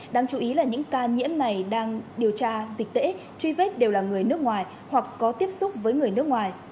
đáng chú ý là những ca nhiễm này đang điều tra dịch tễ truy vết đều là người nước ngoài hoặc có tiếp xúc với người nước ngoài